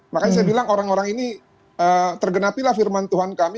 makanya saya bilang orang orang ini tergenapilah firman tuhan kami